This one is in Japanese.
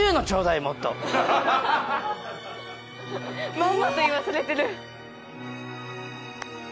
まんまと言わされてる。